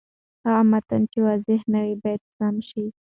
هغه متن چې واضح نه وي، باید سم شي.